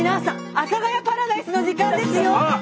阿佐ヶ谷パラダイスの時間ですよ！